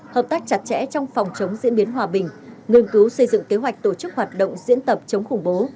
hợp tác chặt chẽ trong phòng chống diễn biến hòa bình nghiên cứu xây dựng kế hoạch tổ chức hoạt động diễn tập chống khủng bố